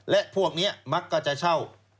และพวกนี้มักก็จะเช่า